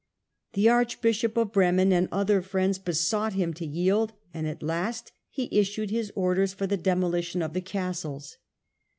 The archbishop of Bremen and other friends besought hing^^ojrield, and at last he issued his orders for the demolition of the castles.